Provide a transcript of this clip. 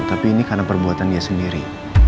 tapi ini karena perbuatan dia sendiri